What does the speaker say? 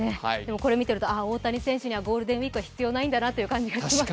これを見ていると、大谷選手にはゴールデンウイークは必要ないんだなという気がしますね。